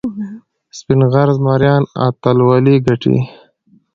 سپین غر زمریان اتلولي ګټي.